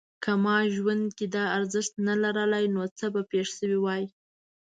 که ما ژوند کې دا ارزښت نه لرلای نو څه به پېښ شوي وای؟